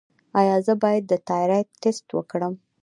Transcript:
ایا زه باید د تایرايډ ټسټ وکړم؟